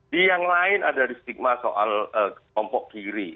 di yang lain ada di stigma soal kelompok kiri